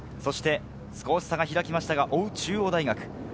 少し差が開きましたが追う中央大学。